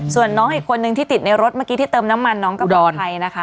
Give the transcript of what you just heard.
ส่วนน้องอีกคนนึงที่ติดในรถเมื่อกี้ที่เติมน้ำมันน้องก็ปลอดภัยนะคะ